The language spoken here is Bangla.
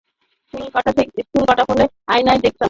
চুল কাটা হলে আয়নায় দেখতাম, দুজনের চুল কাটার স্টাইল হুবহু এক।